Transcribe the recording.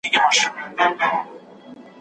اوس به څوك د هندوكش سندري بولي